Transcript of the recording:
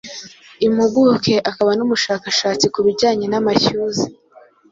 impuguke akaba n’umushakashatsi ku bijyanye n’amashyuza